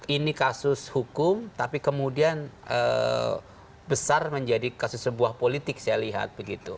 ini kasus hukum tapi kemudian besar menjadi kasus sebuah politik saya lihat begitu